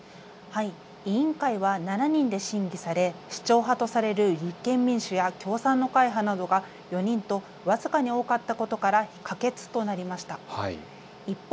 委員会は７人で審議され市長派とされる立憲民主や共産のなどが４人と僅かに多かったことから可決となりました。